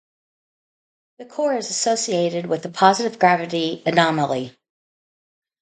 The core is associated with a positive gravity anomaly.